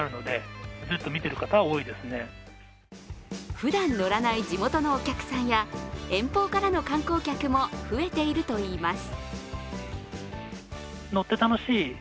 ふだん乗らない地元のお客さんや遠方からの観光客も増えているといいます。